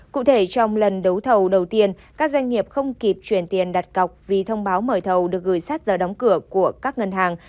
cụ thể trong lần đấu thầu đầu tiên các doanh nghiệp không kịp chuyển tiền đặt cọc vì thông báo mời thầu được gửi sát giờ đóng cửa của các ngân hàng